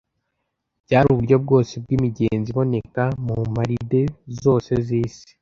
byari uburyo bwose bw'imigenzo iboneka mu mparide zose z'isi.